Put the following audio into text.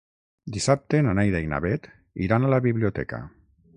Dissabte na Neida i na Bet iran a la biblioteca.